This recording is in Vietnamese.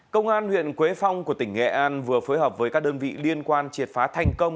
công an huyện quế phong của tỉnh nghệ an vừa phối hợp với các đơn vị liên quan triệt phá thành công